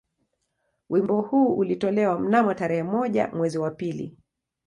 Wimbo huu ulitolewa mnamo tarehe moja mwezi wa pili